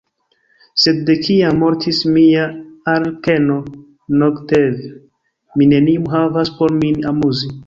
Sed de kiam mortis mia arlekeno Nogtev, mi neniun havas por min amuzi.